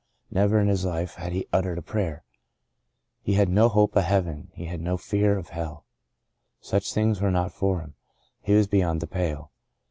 Never in his life had he uttered a prayer. He had no hope of heaven — he had no fear of hell. Such things were not for him. He was beyond the pale.